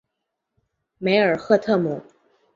梅尔赫特姆。